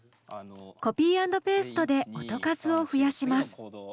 コピーアンドペーストで音数を増やします。